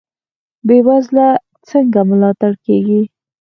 بې وزله څنګه ملاتړ کیږي؟